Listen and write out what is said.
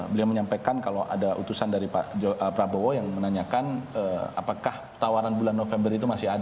beliau menyampaikan kalau ada utusan dari pak prabowo yang menanyakan apakah tawaran bulan november itu masih ada